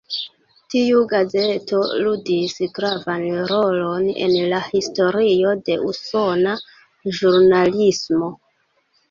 Tiu gazeto ludis gravan rolon en la historio de usona ĵurnalismo.